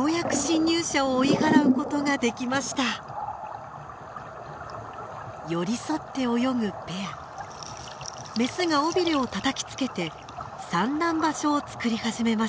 メスが尾びれをたたきつけて産卵場所を作り始めました。